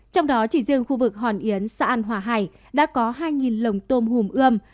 trong đó chỉ riêng khu vực hòn yến xã an hòa hải đã có hai lồng tôm hùm ươm